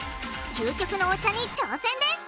究極のお茶に挑戦です！